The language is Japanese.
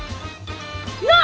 なあ！